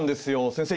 先生